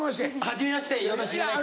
はじめましてよろしくお願いします。